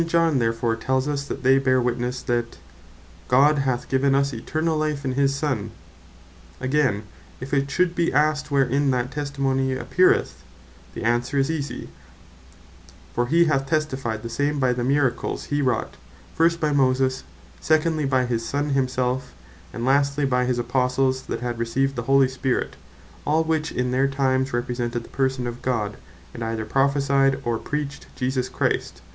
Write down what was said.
John therefore tells us (verse 11.) that they bear witnesse, that "God hath given us eternall life in his Son." Again, if it should be asked, wherein that testimony appeareth, the Answer is easie; for he hath testified the same by the miracles he wrought, first by Moses; secondly, by his Son himself; and lastly by his Apostles, that had received the Holy Spirit; all which in their times Represented the Person of God; and either prophecyed, or preached Jesus Christ.